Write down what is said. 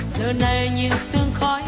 giờ này nhìn sương khói